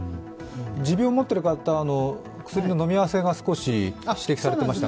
持病を持っている方の薬の飲み合わせが少し指摘されていましたが？